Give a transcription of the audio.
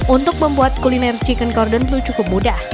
untuk membuat kuliner chicken cordon itu cukup mudah